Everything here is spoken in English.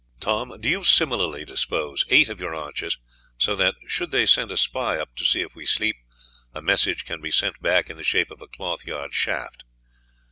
Tom, do you similarly dispose eight of your archers so that should they send a spy up to see if we sleep, a message can be sent back in the shape of a cloth yard shaft.